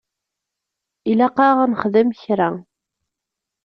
Ilaq-aɣ ad nexdem kra.